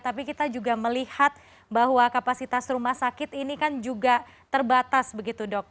tapi kita juga melihat bahwa kapasitas rumah sakit ini kan juga terbatas begitu dok